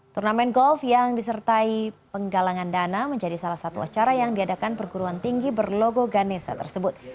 turnamen golf yang disertai penggalangan dana menjadi salah satu acara yang diadakan perguruan tinggi berlogo ganesa tersebut